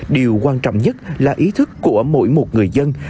điều quan trọng nhất là ý thức của mỗi một người dân